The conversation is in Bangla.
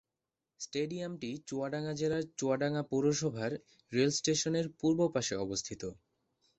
স্টেডিয়ামটি চুয়াডাঙ্গা জেলার চুয়াডাঙ্গা পৌরসভার রেল স্টেশনের পূর্ব পাশে অবস্থিত।